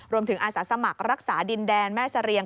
อาสาสมัครรักษาดินแดนแม่เสรียง